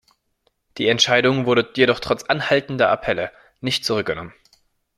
Die Entscheidung wurde jedoch trotz anhaltender Appelle nicht zurückgenommen.